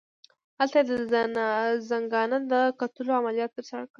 هلته یې د زنګانه د کتلولو عملیات ترسره کړل.